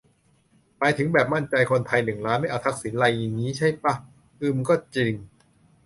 หมายถึงแบบ "มั่นใจคนไทยหนึ่งล้านไม่เอาทักษิณ" ไรงี้ใช่ป่ะ อืม ก็จริง